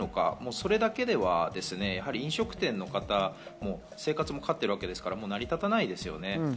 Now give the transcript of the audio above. それだけでは飲食店の方は生活もかかってるわけですから成り立たないですよね。